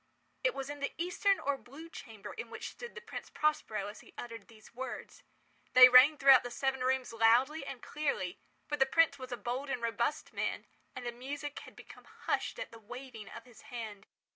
It was in the eastern or blue chamber in which stood the Prince Prospero as he uttered these words. They rang throughout the seven rooms loudly and clearly, for the prince was a bold and robust man, and the music had become hushed at the waving of his hand.